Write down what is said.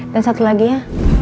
dan satu lagi ya